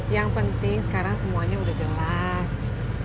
yang penting sekarang semuanya udah jelas